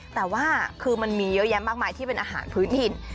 แต่ว่าคือมันมีเยอะแยะมากมายที่เป็นอาหารพื้นถิ่น